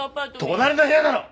隣の部屋だろ！